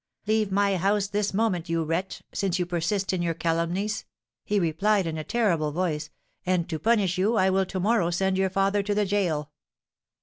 'Leave my house this moment, you wretch, since you persist in your calumnies!' he replied in a terrible voice; 'and to punish you I will to morrow send your father to the gaol.'